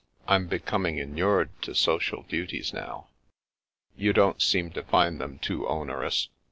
I'm becoming inured to social duties now." " You don't seem to find them too onerous.